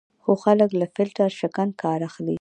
خو خلک له فیلټر شکن کار اخلي.